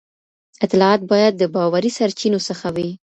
اطلاعات باید د باوري سرچینو څخه وي.